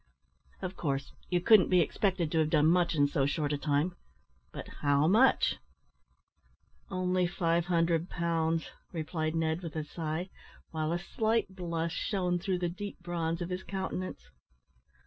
"Of course, you couldn't be expected to have done much in so short a time; but how much?" "Only 500 pounds," replied Ned, with a sigh, while a slight blush shone through the deep bronze of his countenance.